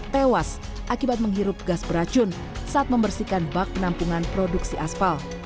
tewas akibat menghirup gas beracun saat membersihkan bak penampungan produksi aspal